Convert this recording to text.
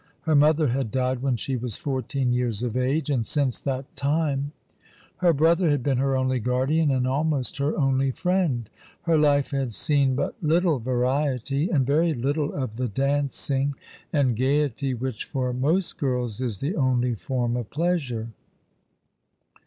Her mother had died when she was fourteen years of age, and since that time her brother had been her only guardian and almost her only friend. Her life had seen but little variety, and very little of the dancing and gaiety which for most gii ls is the only form of pleasure.